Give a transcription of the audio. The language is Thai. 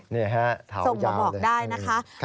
นี่ส่งบอกได้นะคะ